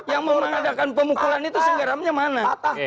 yang mengadakan pemukulan itu senggeramnya mana